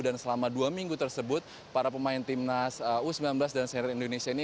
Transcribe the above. selama dua minggu tersebut para pemain timnas u sembilan belas dan seri indonesia ini